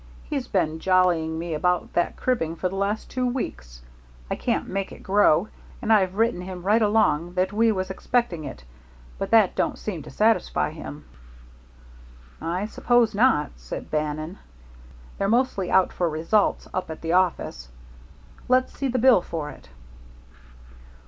He's been jollying me about that cribbing for the last two weeks. I can't make it grow, and I've written him right along that we was expecting it, but that don't seem to satisfy him." "I suppose not," said Bannon. "They're mostly out for results up at the office. Let's see the bill for it."